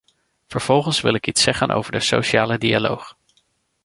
Vervolgens wil ik iets zeggen over de sociale dialoog.